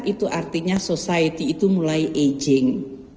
itu artinya society itu mulai aging